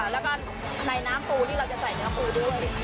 แล้วก็ในน้ำปูที่เราจะใส่เนื้อปูด้วย